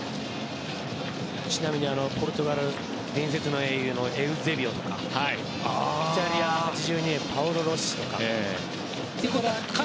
ちなみにポルトガル伝説の英雄のエウゼビオとかイタリアは８２年パオロ・ロッシとか。